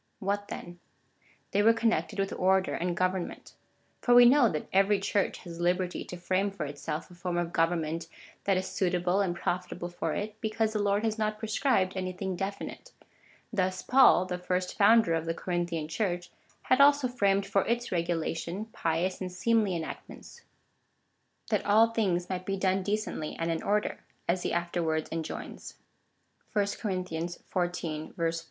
What then ? They were connected with order and government. For we know that every Church has liberty to frame for itself a form of government that is suitable and profitable for it, because the Lord has not pre scribed anything definite. Thus Paul, the first founder of the Corinthian Church, had also framed for its regulation pious and seemly enactments — that all things might be done decently and in order, as he afterwards enjoins. (1 Cor. xiv. 40.)